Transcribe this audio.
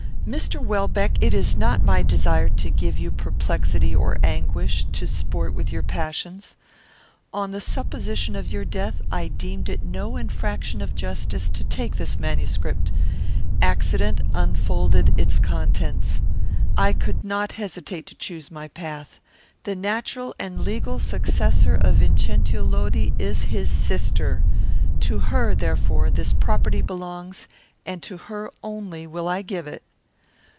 "Mr. Welbeck! It is not my desire to give you perplexity or anguish; to sport with your passions. On the supposition of your death, I deemed it no infraction of justice to take this manuscript. Accident unfolded its contents. I could not hesitate to choose my path. The natural and legal successor of Vincentio Lodi is his sister. To her, therefore, this property belongs, and to her only will I give it."